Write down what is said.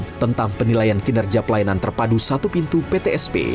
tentang penilaian kinerja pelayanan terpadu satu pintu ptsp